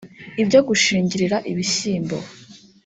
ibyo gushingirira ibishyimbo